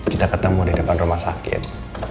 kita ketemu di depan rumah sakit